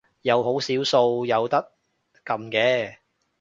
有好少數有得撳嘅